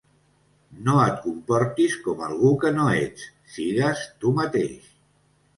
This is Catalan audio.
No et comportis com algú que no ets, sigues tu mateix.